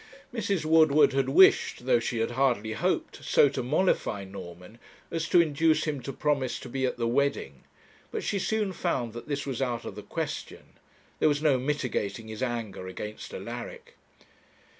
Mrs. Woodward had wished, though she had hardly hoped, so to mollify Norman as to induce him to promise to be at the wedding; but she soon found that this was out of the question. There was no mitigating his anger against Alaric.